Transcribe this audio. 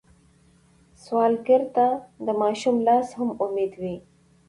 سوالګر ته د ماشوم لاس هم امید وي